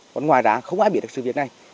còn ngoài đáng không ai biết được sự việc này